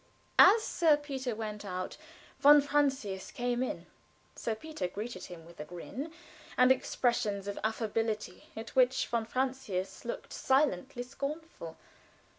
As Sir Peter went out, von Francius came in. Sir Peter greeted him with a grin and exaggerated expressions of affability at which von Francius looked silently scornful.